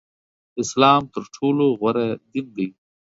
اسلام تر ټولو غوره دین دی